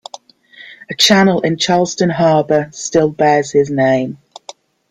A channel in Charleston Harbor still bears his name.